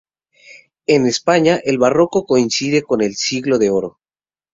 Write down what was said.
En España el Barroco coincide con el Siglo de Oro.